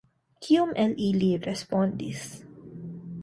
Kiom el ili respondis?